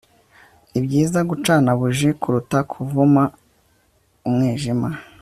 ni byiza gucana buji kuruta kuvuma umwijima